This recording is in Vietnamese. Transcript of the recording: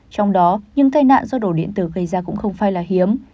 trong đó những tai nạn do đổ điện tử gây ra cũng không phải là hiếm